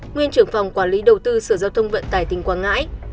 nguyên trưởng phòng quản lý đầu tư sở giao thông vận tải tỉnh quảng ngãi